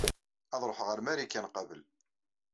Ad ṛuḥeɣ ɣer Marikan qabel.